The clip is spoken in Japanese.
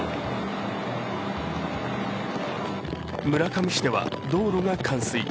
村上市では道路が冠水。